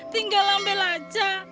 tinggal ambil aja